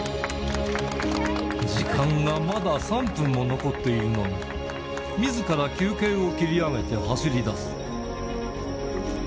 時間がまだ３分も残っているのに、みずから休憩を切り上げて走りだす。